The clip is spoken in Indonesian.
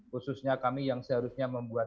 khususnya kami yang seharusnya membuat